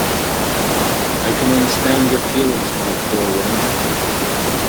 I can understand your feelings, my poor woman.